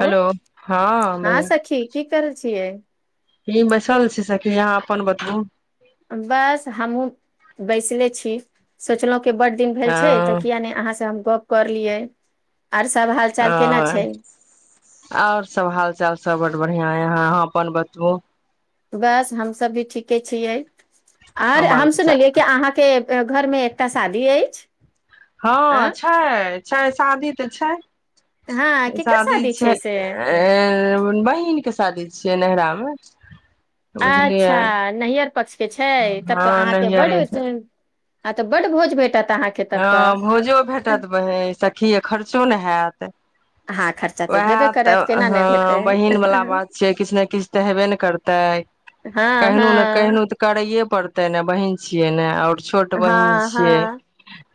Hello हँ बहिन सखी की करै छियै की बैसल छै सखि पहिले अहाँ अपन बतबू बस हमहुँ बैसले छी सोचलुं कि बड्ड दिन भेल छै तऽ हँ किया नहि अहाँसँ हम गप करलियै ओ आओर सब हाल चाल सब बढ़ियां है अहाँ अपन बतबू बस हमसभ भी ठीके छियै आर बाल हम बच्चा सुनलियै कि अहाँके घरमे एकटा शादी अछि अ हँ छै छै शादी तऽ छै हँ केकर शादी छै से अ बहिनके शादी छियै नैहरामे अच्छा नैयहर पक्षके छै तब हँ तऽ अहाँके बड्ड नैहरे हँ तब बड भोज भेटत अहाँके ह तब तऽ भोजो भेटत बहिन सखि आ खर्चो ने हैत हँ खर्चा तऽ उहै भेबे तऽ करत केना हँ नहि हेतै बहिन वला बात छियै किछ ने किछ तऽ हेबे ने करतै हँ केहनो ने हँ केहनो तऽ करैए पड़तै हेतै ने बहिन छियै ने आओर छोट बहिन हँ छियै हँ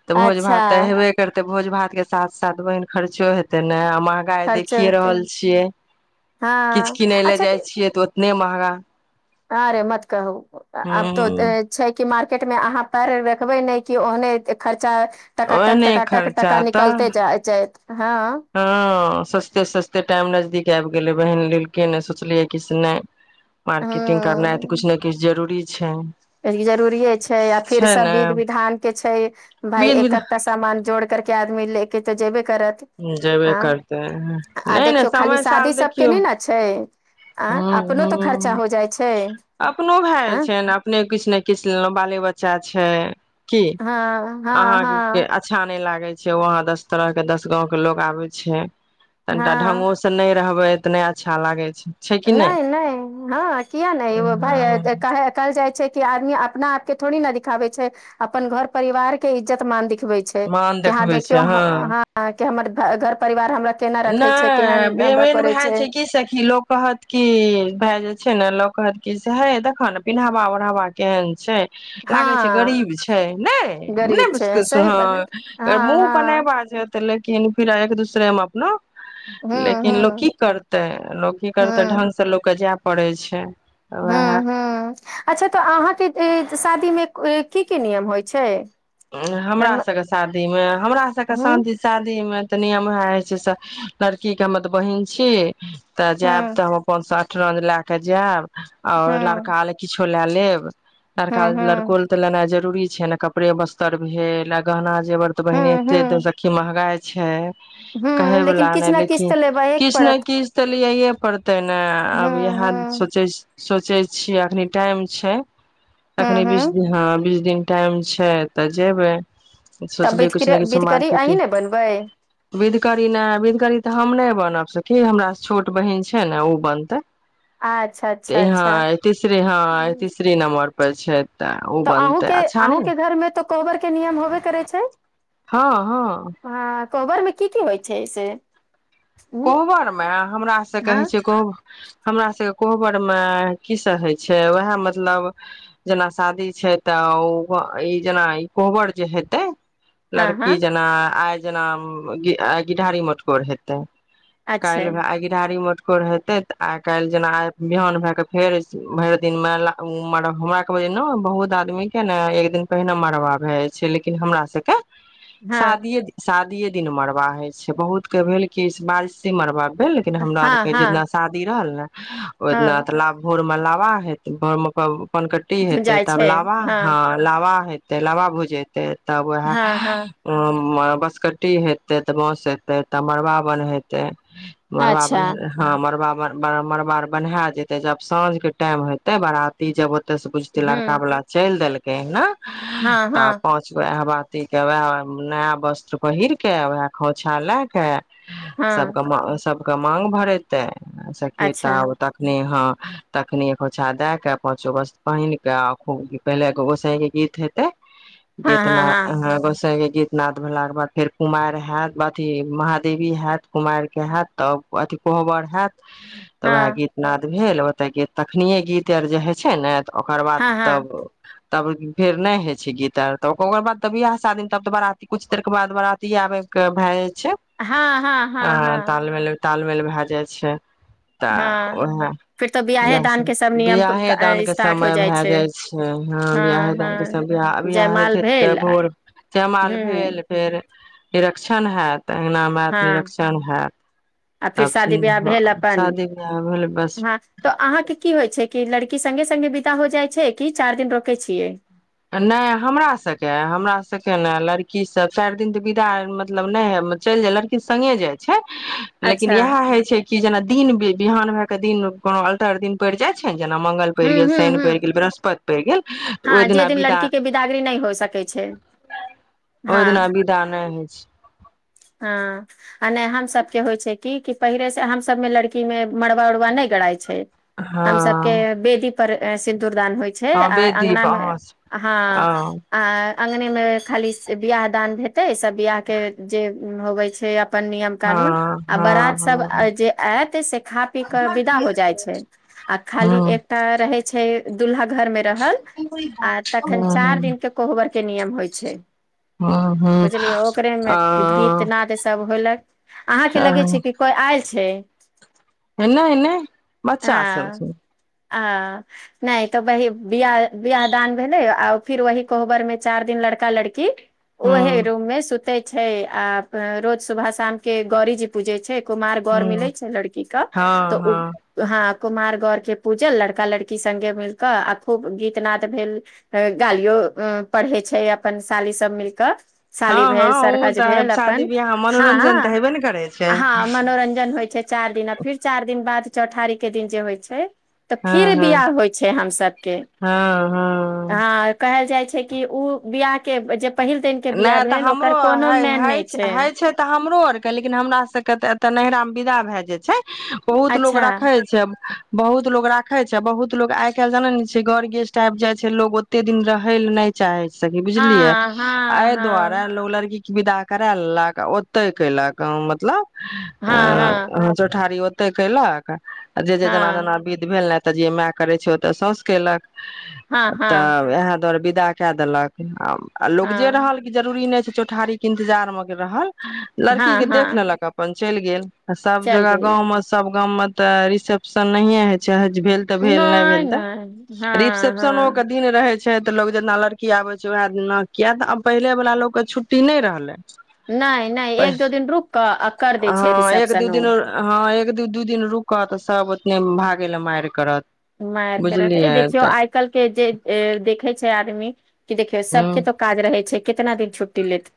तऽ भोज अच्छा भात तऽ हेबे करतै भोज भात के साथ साथ बहिन खर्चो हेते ने आ मा महगाई खर्चे देखिय होते रहल छियै किछ हँ किनै लए जाइ छियै तऽ ने महगा आरे मत कहु आब तऽ हूँ छै की मार खेत मे अहाँ पैर रखबै ने ओहने एतेय खर चा टका टक ओहने टकाटक खर्चा टाका तऽ निकलते जायत जाय हँ सस्ते सस्ते टाइम नजदीक आबि गेलै बहिन लेलकै नय सोचलियै कि से नहि मार्केटिंग करना है हूँ तऽछु ने किछु जरूरी छै जरूरिे छै आ फिर छै सब ने विध विधान के छै भाय एकक सामान जोड़ करके आ मिलै एक तऽ जेबै जेबे करतै आ नहि नहि देखियौ खाली समय शादी साल सबके देखियौ नहि ने छै आ हुँ अपनो तो खर्चा हुँ हो जाइ छै अपनो भए आ जाइ छ ने अपने किछु नहि किछु लेलहुँ बाले बच्चा छै की हँ हँ अहाँके हँ के अच्छा नै लाग देखय छिय वहाँ दस तरह के दस गाँंव के लोग आबे छैय तनिटा हँ ढङंगो सँ नैय रहबे इतने अच्छा लागे छै छै कि नहि नहि हँ किया नहिएगो भाय हँ कहल जाइ छै की आदमी अपना आपकेथोड़ी न दिखाबे छै अपन घर परिवार के इज्जत मान दिख बै छै मान कि यहाँ देखबै देखियौ छै हँ हाँ आ हमर घर परिवार हमरा केना रखै छै नहि केहन हमरा बेमन करै भए जा छै की सखी लोक कहत की भाय जे छै ने लोक कहत की से हे देखऽ ने पिनन्हवा ओढ़ावा केहन छै हँ लागै छै गरीब छै नहि गरीब नहि छै सही बात हँ मुह हँ बनेबा लेकिन फेर आँख एक दूसेमे न हूँ लेकिन लोक की हूँ करतै लोक की करतै ढंग से लोकके जाय पड़ै छै हू वएह हू अच्छा तऽ अहाँके तऽ शादीमे की की नियम होइ छै हमरा हूँ सबके साथ शादीमे हमरा सबके हूँ शांति शादी मे तऽ नियम उएह होइ छै लड़की के हमर तऽ बहिन छीय तऽ जायब हूँ तऽ हम अपन सा ट्रंक लय क जायब आओर हूँ लड़का ले किछु छो लए लेब लड़का हूँ लड़को लेल तऽ लेनाय ज जरूरी छै ने कपड़े वस्ते तर भेल आ गहना जेर त बहिने हूँ एते हूँ तऽ ओइ स की महंगाइ छै हूँ कहे लेकिन बला किछ नहि ने किछ लेकिन तऽ लेबहे के किछ ने पड़त किछ तऽ ल पर तै ने हूँ अब इएह हूँ सोचै सोचै छियै अखनी टाइम छै हूँ एखनी बीस हूँ दिन हँ बीस दिन टाइम छै तऽ जेबै तब बि सोचलियै किछु ने किछु बिधकरी अहींँ ने बनबै करी नै बिधकरी तऽ हम नहि बनब सखी हमरा छोट बहिन छै ने ओ बनतै अच्छा अच्छा अच्छा हँ तीसरे हँ तीसर नम्बर पर पछ तऽ अहुं के अहूँके घरमे तऽ कोबर के नियम होबे करै छै हँ हँ कोबर मे की की होइ छै से उ कोहबरमे हमरा से हँ कहै छै कोहबर हमरा सभके कोहबरमे कीसभ होइ छै उएह मतलब जेना शादी छै तऽ ओ ई जेना ई कोहबर जे हेतै हँ लड़की हँ जेना आय जेना घिढारी मटकोर हेतै अच्छा काल्हि आय घिढारी मट रहेते त आइ काल्हि जेना बिहान भए के फेर भरि दिन मे म हमरा के बजे ने बहुत आदमी के ने एक दिन पहिने मरबा भए जा छै लेकिन हमरा सबके हँ शादीए शादीेये दिन मरबा होय छै बहुत के भेल की बाइसी मरबा लेकिन हमरा आर हँ के जै हँ दिना शादी रहल ने ओइ दिना हँ तऽ लाखो मलाबा हेत घर मब धनकट्टी हेतै भुंजाइ छै तब लाबा हँ हं लाबा हेत त लाबा भुजै त बहा हँ हँ मर बसकट्टी हेते तऽ बस हेते तऽ मड़बा बन हेतै मरबा अच्छा हँ मरबा ब मड़बा बनाह‌ए जेते जब साँझ के टाइम होेते बाराती जब ते से बुझतीे हूँ लड़का वाला चलि देलक ने हँ तऽ हँ पाँच गो अह बात प के वएह नया वस्त्र पहिर के वएह खोछा लए के हँ सबक म सब सबक मांग भरेतै सकेता अच्छा तखने ह तखनी एकोछा दए के पाचो वस्त्र पहिन के पहिले तऽ गोसाई के गीत हेते हँ हँ जेतना हँ अ गोसाय गीतनाद भेलाके बाद फेर कुमारि हेत अथी मह देवी हयत कुमारि के हयत तब अथी कोहबर हयत तब वेह हँ गीत नाद भेल ओते गत तखनिये गीत आर जे होइ छै ने ओकर बाद हँ हँ तब तब फेर नहि होइ छै गीत आर तऽ ओकर बाद तब बिआह शादी तब तऽ बारती कुछ देर के बाद बराती आबै के भए जाइ छै हँ हँ अ हँ हँ तालमेल तालमेल भए जाइ छै तऽ हँ उएह फिर तऽ बियाहे दान इएहसभ के सब नियम वियाहे दानके स्टार्ट हो समय भए छै जाइ छै ह बियाहे हँ दानके समय हँ बियाह हो जयमाल छै तऽ भेल भोर जयमाल हूँ भेल फेर निरक्षण हेएत हँ आ फिर तब शादी बिवाह भेल अपन शादी बियाह भेल बस हँ तऽ अहाँके की होइ छै कि लड़की सगें सगें हो जाइ छै कि चारि दिन रोकै छियै नहि हमरा सभके हमरा सभके ने लड़की सब चारि दिन तऽ विदा मतलब नहि ह चलि जाय लड़की सङ्गे जाइ छै लेकिन अच्छा इएह हय छै कि जेना दिन बिहान भए के दिन कोनो अलटर दिन पड़ जाय छै ने जना मंगल हूँ पैर गेल हूँ शनि हूँ पैर गेल बृहस्पति पैर गेल तऽ ओहि हँ जे दिना दिन विदा लड़की के बिदागरी नहि हो सकै छै ओहि दिना हँ बिदान नहि होइ छै हँ आ नहि हम सभके होइ छै कि कि पहिलेसँ हमसभमे लड़की मे मड़बा उरवा नहि गड़ाइ छै हम सबके हँ बेेदी पर सि न्दूर दान होइ छै हँ आ बेदीप अगना मे अहाँ ह आ अंगने मे खालीसे बियाह दान हेतै सब बिआह के जे होबै छै अपन नियम कानून हँ हँ आ बारात सब हँ जे आयत से खा पी के विदा हो जाय छै आ खाली हँ एकटा रहे छै दुलहा घर मे रहल आ तखन चार हँ दिन के कोहबर के नियम होइ छै हँ हँ हँ बुझलियै ओकरे मे आ गीत गीतनाद सब होलक अहाँ के लगे छै कि कोई आयल छै [unintelligible] नै नै बच्चासभ हँ छै आ नहि तऽ वही बियाह बियाह दान भेलै आ फिर वहि कोहबर मे चारि दिन लड़का लड़की ओहे हँ रूममे सुत तै छै आ रोज सुबह शाम के गौरीजी पूजै छै कुमार बर हँ मिलै छै लड़की के हँ तऽ हँ ह कुमार गौर के पूजल लड़का लड़की स्गे मिलक आ खूब गीत नद भेल गालियो पढ़े छै अपन साली सब मिलकऽ हँ हँ ओ तऽ बियाह ह मनोरंजन तऽ हेबे ने करै छै ह मनोरंजन होइ छै चार दिन फिर चार दिन दिन बाद चौठारी के दिन जे होइ छै तऽ हँ फिर हँ बियाह होइ छै हम सभके हँ हँ हँ कहल जाइ छै छै कि ओ बियाह के जे पहिल दिन के जे बियाह भेल ओकर कोनो मानि नहि हइ छै तऽ हमरो आरके लेकिन हमरा सबके तऽ एतऽ नैयहरा मे विदा भए जाय छै बहुत लोग अच्छा राखै छै बहुत लोग राखे छै बहुत लोग आइ काल्हि जाने ने छै घर गेस्ट आबि जाय छै लोग ओते दिन रहे ले नै चाहे छै सखि बुझलिए हँ हँ आय दआारा हँ लोलर की विदा करा लेलक ओते कयलक मतलब अ हँ चठारी ओ क ल जे जे जेना हँ जेना बिध भेल ने तऽ जे माय करैत छै। ओ तऽ सौसु केलक हँ हँ तऽ इह दर विदा कए देलक आ उजे हँ रहल के जरूरी नहि छै चौठारी के इन्तजार मे के रहल लड़की हँ के देख हँ लेलक अपन चलि गेल सब चल जगह गेल गाम में सभ गाम मे ते रिसेप्शन नहिये हय छै भेल तँ भेल, नहि भेल तँ नहि हँ रिसेप्शनक हँ दिन रहत। छै तऽ लोग जेितना लड़की आबे छै वएहना किया तऽ आब पहिले वाला लोकोग के छुट्टी नहि रहले नहि नहि एक दो दिन रुक कऽ आ कर दै छै हँ, रिसेप्शन ओ एक-दू दिन रुकू, तँ सभ ठीक भऽ जाएत। भागे लए मारि करत मायर कर ए बुझलियै देखियौ तऽ आइ कल्हि के जे देखे छै मेी की देखियौ सबके हूँ तो काज रहै छै कितना दिन छुट्टी लेत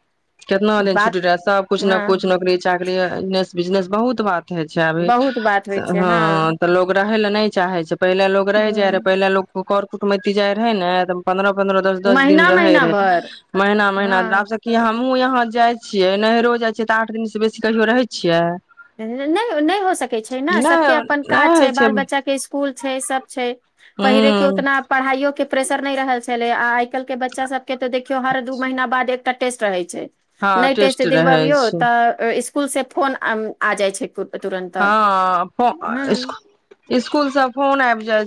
कितना दिन बात छुटी रहै सब कुछ ने हँ कुछ नौकरी चाकरीने बिजनेस बहुत बात ई छै, बहुत बात होइ छै हँ एखन तँ लोक रहए नहि चाहैत छै। पहिने लोक रहि जाइत छल, ह पहिने लोक करैत छल। कुटमैतती जाय रहै ने पन्द्रह पंद्रह दस दस दिन महिना महिना रहे भर महीना महीना हँ [unintelligible] हमहुँ आहा जाय छियै नैहरो जाय छियै तऽ आठ दिन से बेसी कहियो रहै छियै नहि नहि हो सकैत छै ने सभके नहि अपन काज नहि छै होइ बाल बच्चाके इसकुल छै सभ छै पहिरे के हूँ उतना पढ़ाइ के प्रेशर नहि रहल छलै आ आइ आजकल के बच्चा सब के तऽ देखियौ हर दू महीना बाद टेस्ट रहै छै हँ नहि टेस्ट दिल रहै बबियौ छै तऽ स्कुल से फोन आ आ जाइ छै पू हँ फ इ स्कुल से फोन आबि जाय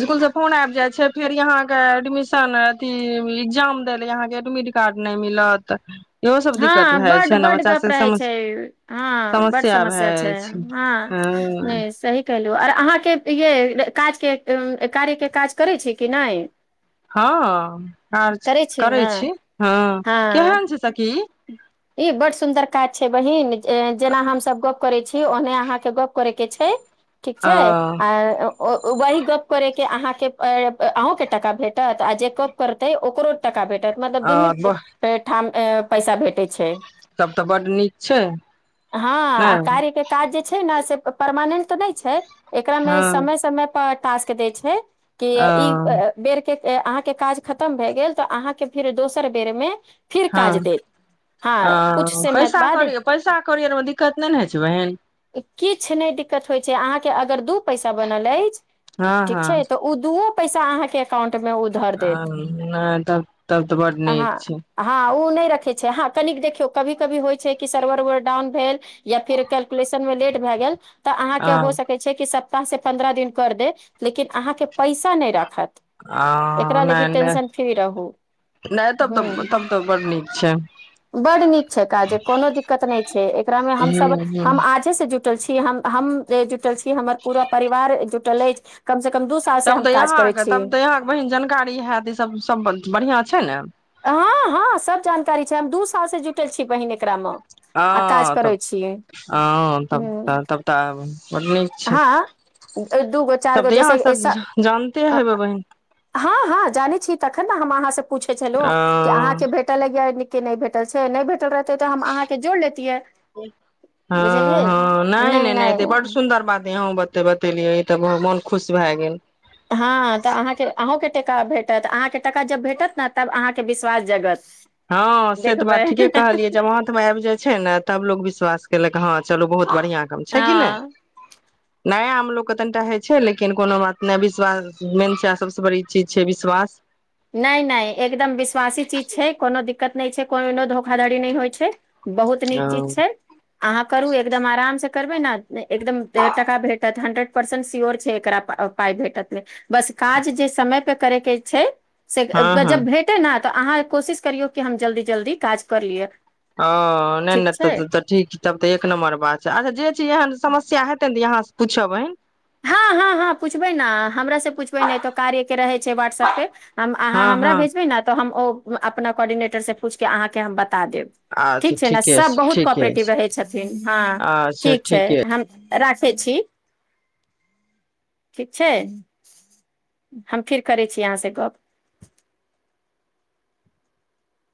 स्कुल सँ फोन आबि जाइ छै फेरहाँके ए अथ ए्ग्जाम दै लहके एडमिट कार्ड नहि मिलत इहो सब दिक्कत हँ भए जाइ बड छै ने बड बच्चा गप सबके रहै सम छै हँ बड समस्या छै हँ हँ नहि सही कलहुँ आर अहाँके ये काजके कार्यके काज करै छी कि नहि हँ आर करै छी हँ हँ केहन छै सखी ई बड सुन्दर काज छै बहिन जेना हमसभ गप करै छी ओने अहाँके गप करै के छै ठीक अ छै आ वही गप कर के अहा के अहूं के टका भेटत आ जे गप करतै ओकरो टाका भेटत मतलब दुनू अ ठाम अ, पैसा भेट तब तऽ बड्ड नीक छै ने हँ कार्यके काज जे छै ने से परमानेंट तऽ नहि छै एकरा हँ में समय समय पर टास्क दै छै की अ ई बेर अहाँके काज खतम भए गेल तऽ अहाँके फेर दोसर बेर मे फिर काज दे आ पैसा कौरी पैसा कौरीमे दिक्कत नहि ने होइ छै बहिन अहाँ के अगर दू पैसा बनल अछि हँ ठीक छै तऽ उदू पैसा अहाँके एकाउंट मे ओ धर देत ह तब तब तऽ बड नीक हँ छै हँ ओ नहि रखै छै ह कनिक देखियौ कभी कभी होइ छै कि सर्वर डाउन भेल या फिर कैलकुलेशन मे लेट भए गेल तऽ अहाँके हो आ सकैत छै कि सब से पन्द्रह दिन कर दे लेकिन अहाँके पैसा नहि राखत आ एकरा लागी नहि नहि टेंशन फ्री रहू नहि तब तऽ तब तऽ बड़ नीक छै बड्ड नीक छै काज कोनो दिक्कत नहि छै एकरामे ह हमस ह हम आजे से जुट त छी हम जुटल छी हमर पूरा परिवार जुटल अछि कम से कम दू साल से तब हम तऽ काज यहााँ करै के छी तब तऽ यहाके बहिन जानकारी हयत ई सब सब बढ़िया छै ने हँ हँ सब जानकारी छै हम दू साल से जुटल छी बहिन एकरा में आ त तब त हाँ त हूँ तब तब तऽ बड्ड नीक छै हँ दू गो चारि तब गो तऽ यहाँ सब जैस जानते हेबै बहिन हँ हँ जानै छी तखन ने हम अहाँ से पूछै छलहुँ कि ओ अहाँके भेटल किया एमे केनाय भेटल छै नहि भेट भेट रहैत त हम अह जोड़ लेयतिय हँ बुझलियै नहि नहि तें बतेलियै त मन खुश भए गेल हँ तऽ अहाँके अहुँ के का भेटत अहाँ कें टाका जब भेटत ने तब अहाँके विश्वास जगत हँ से तऽ बात देखबै ठीके कहलियै जब हाथमे आबि जाइत छै ने तब लोक विश्वास कै लक हँ चलू बहुत बढ़िआँ काम छै कि नहि हँ नया आम लोकके तनि टा होइ छै लेकिन कोनो बात नहि विश्वास मेन छै आ सभसँ बड़ी चीज छै विश्वास नहि नहि एकदम विश्वासी चीज छै कोनो दिक्कत नहि छै कोनोनो धोखाधड़ी नहि होइ छै बहुत नीक चीज हँ छै अहाँ करु एकदम आराम से करबै ने एकदम का भेटत हंड्रेड परसेंट स्योर छै एकरा पााय भेटत नहि बस काज जे समय पर करैके छै से हँ जब भेटे न तऽ अहाँ कोशिश करियौ कि हम जल्दी जल्दी काज कर लियै ओ नहि नहि तऽ ठीक तब तऽ एक नम्बर बात छै अच्छा जे जेहन समस्या हैतय न यहां से पुछबैन हँ हँ हँ पूछबै ने हमरा से पूछबै ने तो कार्य के रहै छै व्हाटसऐप पे हम अहाँ हँ हमरा हँ भेजबै ने तऽ हम ओ अपना कोर्डिनेटर से पूछ के अहाँ के हम बता बता देब अच्छा ठीक छै ने ठीके सब छै बहुत ठीके कोपरेटिव छै रहै छथिन हँ अच्छा ठीक छै ठीके हम राखै छी ठीक छै हम फिर करै छी अहाँसँ गप